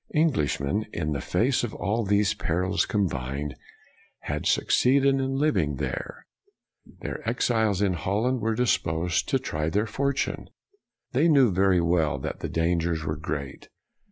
Englishmen, in the face of all these perils combined, had succeeded in living there. The exiles BREWSTER 203 in Holland were disposed to try their fortune. They knew very well that the dangers were great.